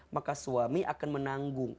maka suami akan menanggung